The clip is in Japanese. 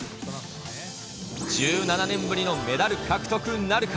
１７年ぶりのメダル獲得なるか？